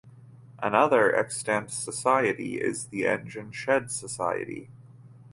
Another extant society is The Engine Shed Society.